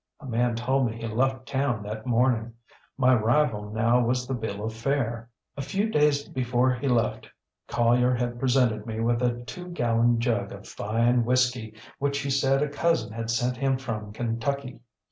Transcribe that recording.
A man told me he left town that morning. My only rival now was the bill of fare. A few days before he left Collier had presented me with a two gallon jug of fine whisky which he said a cousin had sent him from Kentucky.